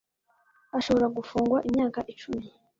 Ashobora gufungwa imyaka icumi.